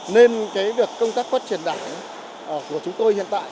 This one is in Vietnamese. nên việc công tác phát triển đảng của chúng tôi hiện tại